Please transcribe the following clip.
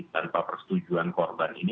tanpa persetujuan korban ini